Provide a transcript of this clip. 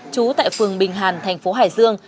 trú tại phường bình hàn thành phố hải dương